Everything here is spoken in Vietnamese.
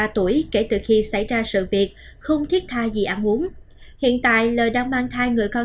ba mươi tuổi kể từ khi xảy ra sự việc không thiết tha gì ăn uống hiện tại lời đang mang thai người con